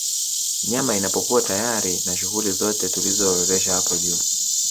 Nyama inapokuwa tayari na shughuli zote tulizoziorodhesha hapo juu